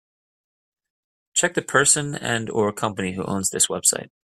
Check the person and/or company who owns this website.